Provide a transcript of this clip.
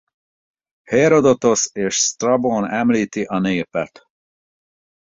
Hérodotosz és Sztrabón említi a népet.